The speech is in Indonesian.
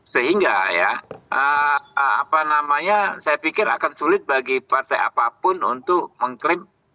sehingga ya apa namanya saya pikir akan sulit bagi partai apapun untuk mengklaim